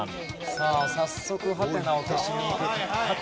さあ早速ハテナを消しにいく。